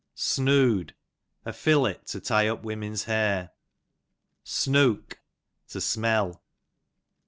Snoode, a fillet to tie up women's hair. Snook, to smell.